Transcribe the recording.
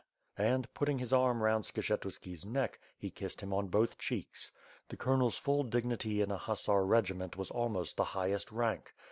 '' And, putting him arm round Skshetuski's neck, he kissed him on both cheeks. The colonel's full dignity in a hussar regiment was almost the highest rank.